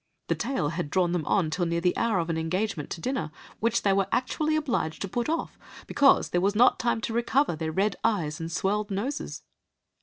The tale had drawn them on till near the hour of an engagement to dinner, which they were actually obliged to put off, because there was not time to recover their red eyes and swelled noses."